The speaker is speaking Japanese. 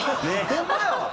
ホンマや！